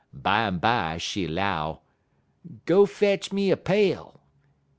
Bimeby she 'low: "'Go fetch me a pail!'